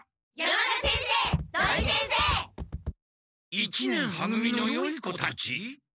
一年は組のよい子たち！？